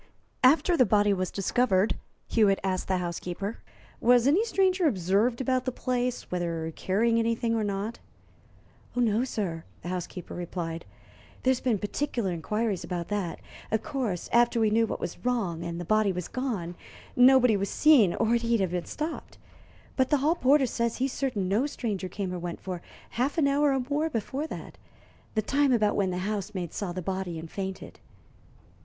"After the body was discovered," Hewitt asked the housekeeper, "was any stranger observed about the place whether carrying anything or not?" "No, sir," the housekeeper replied. "There's been particular inquiries about that. Of course, after we knew what was wrong and the body was gone, nobody was seen, or he'd have been stopped. But the hall porter says he's certain no stranger came or went for half an hour or more before that the time about when the housemaid saw the body and fainted."